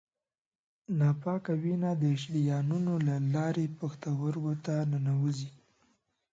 ناپاکه وینه د شریانونو له لارې پښتورګو ته ننوزي.